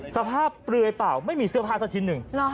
เปลือยเปล่าไม่มีเสื้อผ้าสักชิ้นหนึ่ง